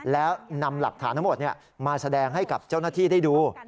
แล้วนำหลักฐานทั้งหมดมาแสดงให้กับเจ้าหน้าที่ได้ดู